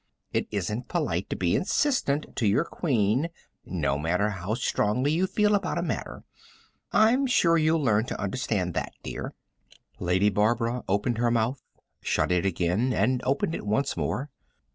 It isn't polite to be insistent to your Queen no matter how strongly you feel about a matter. I'm sure you'll learn to understand that, dear." Lady Barbara opened her mouth, shut it again, and opened it once more.